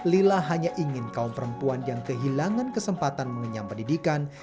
lila hanya ingin kaum perempuan yang kehilangan kesempatan mengenyam pendidikan